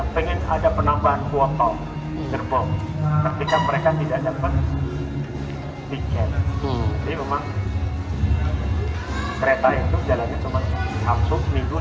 pengen ada penambahan kuota gerbong ketika mereka tidak dapat diken